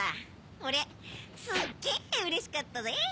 おれすっげぇうれしかったぜ。